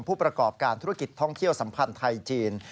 ผู้ประกอบการธุรกิจท่องเที่ยวสัมพันธ์ไทยจีน